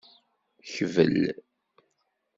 Kbel.